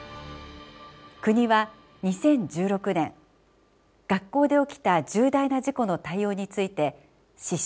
国は２０１６年学校で起きた重大な事故の対応について指針を出しました。